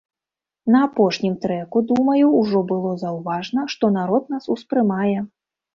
На апошнім трэку, думаю, ўжо было заўважна, што народ нас успрымае.